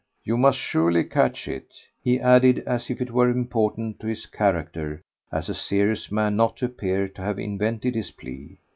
You must surely catch it," he added as if it were important to his character as a serious man not to appear to have invented his plea.